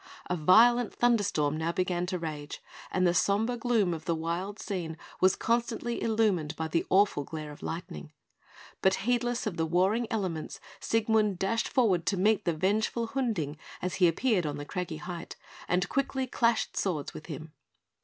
A violent thunderstorm now began to rage, and the sombre gloom of the wild scene was constantly illumined by the awful glare of lightning; but, heedless of the warring elements, Siegmund dashed forward to meet the vengeful Hunding as he appeared on the craggy height, and quickly clashed swords with him.